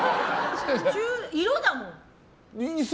色だもん！